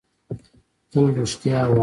تل رېښتيا وايه